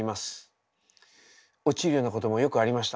落ちるようなこともよくありました。